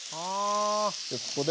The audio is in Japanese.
でここで。